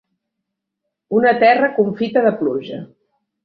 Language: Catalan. Una terra confita de pluja.